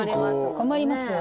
困りますよ